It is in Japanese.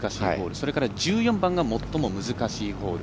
それから１４番が最も難しいホール。